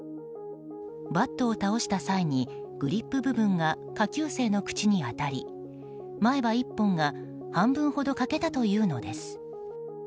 バットを倒した際にグリップ部分が下級生の口に当たり前歯１本が半分ほど欠けたというのです。